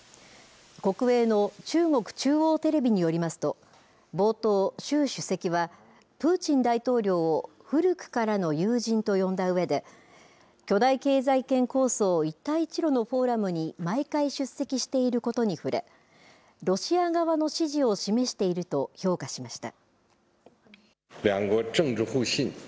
国営の中国中央テレビによりますと、冒頭、習主席は、プーチン大統領を古くからの友人と呼んだうえで、巨大経済圏構想、一帯一路のフォーラムに毎回出席していることに触れ、ロシア側の支持を示していると評価しました。